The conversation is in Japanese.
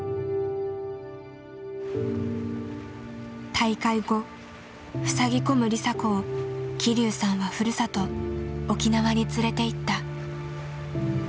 大会後ふさぎ込む梨紗子を希龍さんはふるさと沖縄に連れていった。